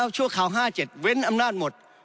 ชั่วคราวห้าเจ็ดเว้นอำนาจหมด